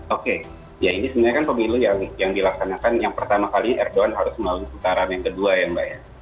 oke ya ini sebenarnya kan pemilu yang dilaksanakan yang pertama kali erdogan harus melalui putaran yang kedua ya mbak ya